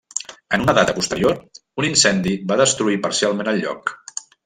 En una data posterior, un incendi va destruir parcialment el lloc.